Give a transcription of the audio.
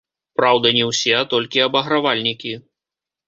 Праўда, не ўсе, а толькі абагравальнікі.